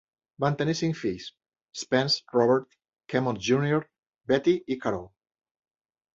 Van tenir cinc fills: Spence, Robert, Kemmons júnior, Betty i Carole.